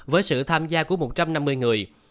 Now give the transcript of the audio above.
với sự tham gia của một trăm năm mươi người